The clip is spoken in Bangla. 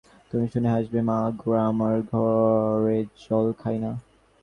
তুমি শুনে হাসবে মা, গোরা আমার ঘরে জল খায় না।